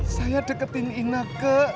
saya deketin ine ke